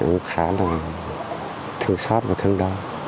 thì khá là thương xót và thương đau